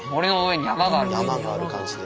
山がある感じで。